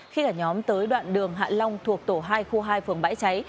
khi cả nhóm tới đoạn đường hạ long thuộc tổ hai khu hai phường bãi cháy